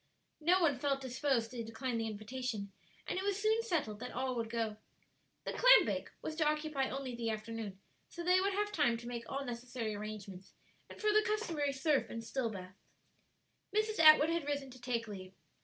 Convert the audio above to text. No one felt disposed to decline the invitation, and it was soon settled that all would go. The clam bake was to occupy only the afternoon; so they would have time to make all necessary arrangements, and for the customary surf and still baths. Mrs. Atwood had risen to take leave.